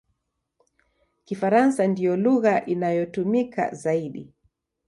Kifaransa ndiyo lugha inayotumika zaidi.